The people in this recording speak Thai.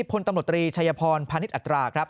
พตชพพอนอัตรา